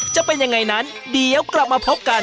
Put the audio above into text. จะเป็นยังไงนั้นเดี๋ยวกลับมาพบกัน